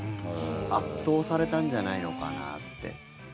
圧倒されたんじゃないのかなって。